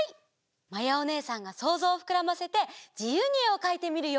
まやおねえさんがそうぞうをふくらませてじゆうにえをかいてみるよ。